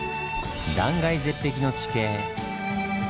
断崖絶壁の地形。